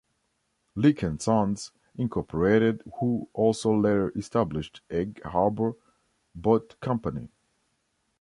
Leek and Sons, Incorporated who also later established Egg Harbor boat company.